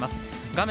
画面